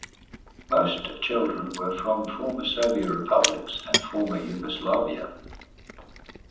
Most children were from former Soviet republics and former Yugoslavia.